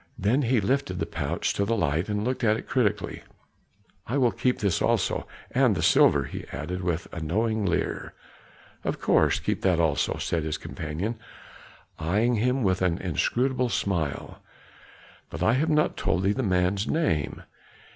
Then he lifted the pouch to the light and looked at it critically; "I will keep this also and the silver," he added with a knowing leer. "Of course, keep that also," said his companion, eying him with an inscrutable smile. "But I have not told thee the man's name.